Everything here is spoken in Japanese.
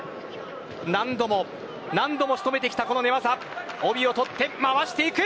何度も何度も仕留めてきたこの寝技を帯を取ってまわしていく。